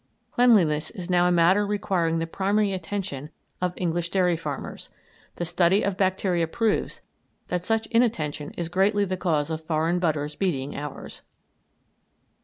Cleanliness is now a matter requiring the primary attention of English dairy farmers. The study of bacteria proves that such inattention is greatly the cause of foreign butters beating ours."